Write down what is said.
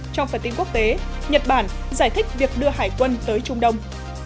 trong phần tin quốc tế nhật bản giải thích việc đưa hải quân tới trung đông